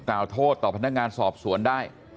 กล่าวโทษต่อพนักงานสอบสวนได้